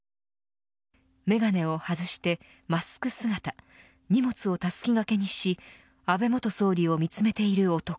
眼鏡を外してマスク姿荷物をたすき掛けにし安倍元総理を見つめている男。